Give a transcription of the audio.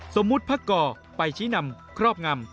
สมมุติพระก่อไปชี้นำครอบงำ